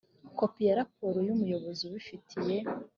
kopi ya raporo y umuyobozi ubifitiye